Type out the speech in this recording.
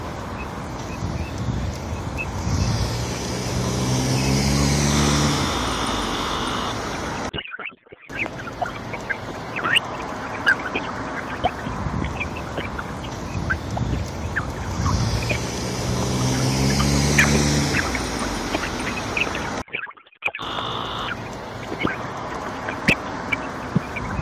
Epuka kutumia pamoja na wenzako magari ya kusafirishia wanyama